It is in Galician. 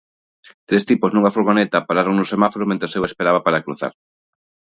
Tres tipos nunha furgoneta pararon nun semáforo mentres eu esperaba para cruzar.